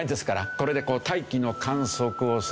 これでこう大気の観測をする。